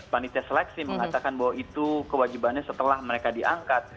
panitia seleksi mengatakan bahwa itu kewajibannya setelah mereka diangkat